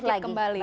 bangkit kembali ya